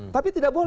tapi tidak berhenti